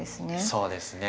そうですね。